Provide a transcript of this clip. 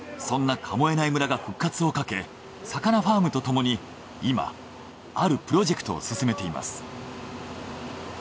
そんな神恵内村が復活をかけさかなファームとともに今あるプロジェクトを進めています。